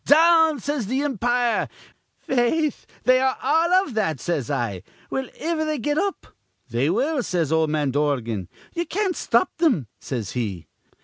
'Down!' says th' impire. 'Faith, they are all iv that,' says I. 'Will iver they get up?' 'They will,' says ol' man Dorgan. 'Ye can't stop thim,' says he.